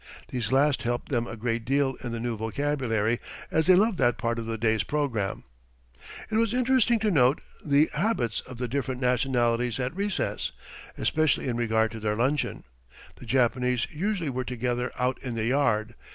These last helped them a great deal in the new vocabulary, as they loved that part of the day's program. "It was interesting to note the habits of the different nationalities at recess, especially in regard to their luncheon. The Japanese usually were together out in the yard.